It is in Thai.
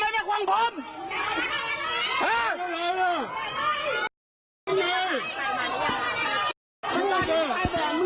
นายบอกว่าประชาที่ปล่อยประชาที่ปล่อย